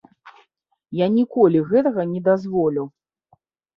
Я ніколі гэтага не дазволю.